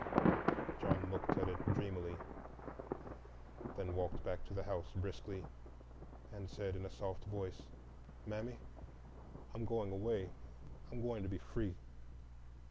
John looked at it dreamily, then walked back to the house briskly, and said in a soft voice, "Mammy, I'm going away—I'm going to be free."